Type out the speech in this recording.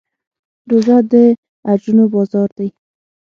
روژه د اجرونو بازار دی.